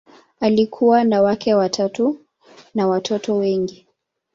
Alikuwa na wake watatu na watoto wengi.